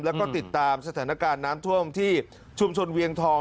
แล้วก็ติดตามสถานการณ์น้ำท่วมที่ชุมชนเวียงทอง